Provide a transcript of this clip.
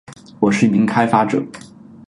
我是一名开发者